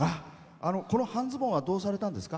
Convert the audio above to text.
この半ズボンはどうされたんですか？